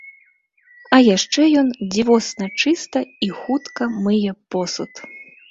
А яшчэ ён дзівосна чыста і хутка мые посуд!